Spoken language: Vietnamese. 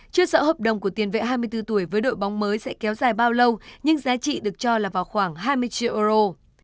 chưa sợ hợp đồng của tiền vệ hai mươi bốn tuổi với đội bóng mới sẽ kéo dài bao lâu nhưng giá trị được cho là vào khoảng hai mươi triệu euro